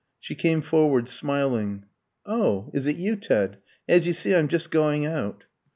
She came forward smiling. "Oh, is it you, Ted? As you see, I'm just going out."